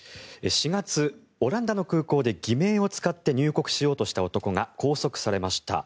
４月、オランダの空港で偽名を使って入国しようとした男が拘束されました。